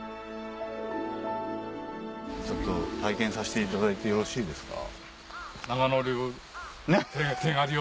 ちょっと体験させていただいてよろしいですか？